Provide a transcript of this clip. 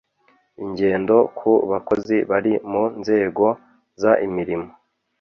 ingendo ku bakozi bari mu nzego z imirimo